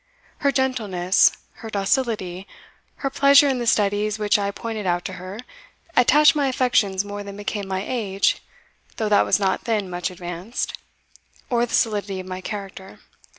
Her gentleness, her docility, her pleasure in the studies which I pointed out to her, attached my affections more than became my age though that was not then much advanced or the solidity of my character.